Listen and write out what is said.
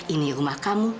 ini rumah kamu